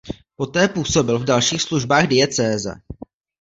Poté působil v dalších službách diecéze.